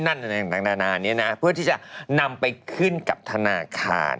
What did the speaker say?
นานเนี่ยนะเพื่อที่จะนำไปขึ้นกับธนาคาร